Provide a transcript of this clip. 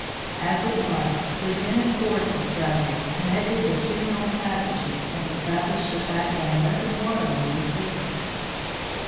As it was, Lieutenant Gore's discovery connected the THE EREBUS AND THE TERROR 29 two known passages and established the fact that an open waterway existed.